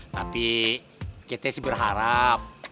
tapi kita sih berharap